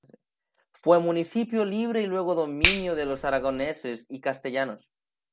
Fue municipio libre y luego dominio de los aragoneses y castellanos.